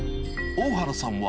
大原さんは、